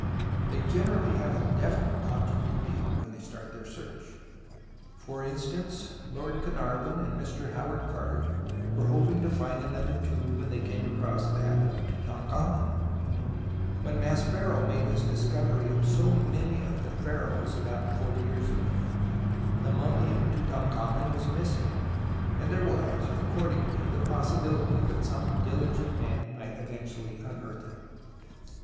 They generally have a definite object in view when they start their search. For instance. Lord Carnarvon and Mr. Howard Carter were hoping to find another tomb when they came across that of Tutankhamen, When 3» THE ROMANCE OF EXCAVATION 33 Maspero made his discovery of so many of the Pharaohs about forty years ago, the mummy of Tutankhamen was missing, and there was accord ingly the possibihty that some diligent man might eventually unearth it.